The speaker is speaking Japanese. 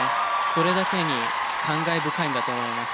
それだけに感慨深いんだと思います。